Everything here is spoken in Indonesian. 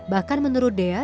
bahkan menurut dea